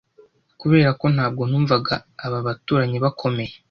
kuberako ntabwo numvaga aba baturanyi bakomeye